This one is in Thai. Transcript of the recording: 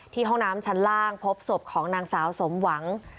ห้องน้ำชั้นล่างพบศพของนางสาวสมหวัง